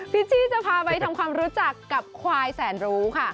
จี้จะพาไปทำความรู้จักกับควายแสนรู้ค่ะ